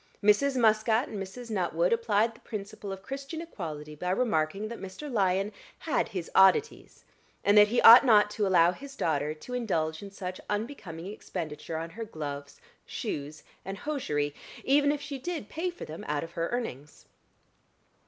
Mrs. Muscat and Mrs. Nuttwood applied the principle of Christian equality by remarking that Mr. Lyon had his oddities, and that he ought not to allow his daughter to indulge in such unbecoming expenditure on her gloves, shoes, and hosiery, even if she did pay for them out of her earnings.